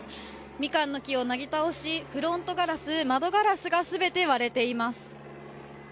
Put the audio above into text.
ミカンの木をなぎ倒しフロントガラス、窓ガラスが全て割れています。